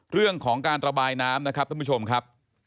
เรื่องของการระบายน้ำนะครับท่านผู้ชมครับ